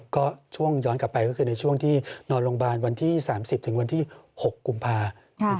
ก็ช่วงย้อนกลับไปก็คือในช่วงที่นอนโรงพยาบาลวันที่๓๐ถึงวันที่๖กุมภา